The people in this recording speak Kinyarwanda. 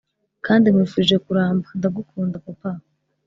kandi nkwifurije kuramba. ndagukunda, papa.